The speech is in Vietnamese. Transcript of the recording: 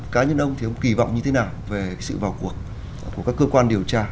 cá nhân ông thì ông kỳ vọng như thế nào về sự vào cuộc của các cơ quan điều tra